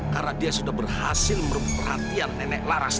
karena dia sudah berhasil merupakan perhatian nenek larang